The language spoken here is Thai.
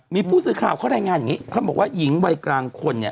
มีผู้สื่อข่าวเขารายงานอย่างนี้เขาบอกว่าหญิงวัยกลางคนเนี่ย